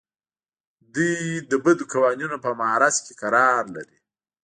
دوی د بدو قوانینو په معرض کې قرار لري.